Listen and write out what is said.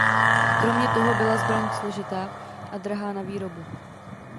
Kromě toho byla zbraň složitá a drahá na výrobu.